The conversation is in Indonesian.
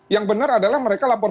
yang benar adalah mereka tidak boleh